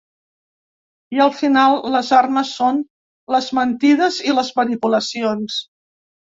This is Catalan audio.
I al final, les armes són les mentides i les manipulacions.